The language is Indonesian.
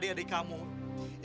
kepentingan kamu dan anang ini